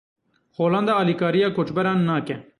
Holanda alîkariya koçberan nake.